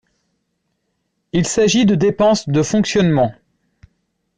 Il s’agit de dépenses de fonctionnement.